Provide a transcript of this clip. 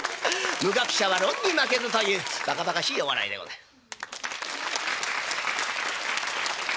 無学者は論に負けずというばかばかしいお笑いでございます。